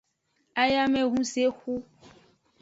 Ayamehunzexu.